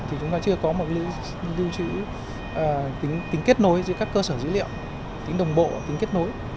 thì chúng ta chưa có một lưu trữ tính kết nối giữa các cơ sở dữ liệu tính đồng bộ tính kết nối